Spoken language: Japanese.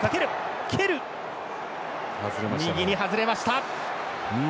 右に外れました。